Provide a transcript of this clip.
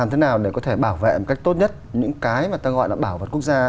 làm thế nào để có thể bảo vệ một cách tốt nhất những cái mà ta gọi là